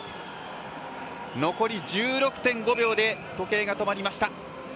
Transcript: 残り１６．５秒で時計が止まりました。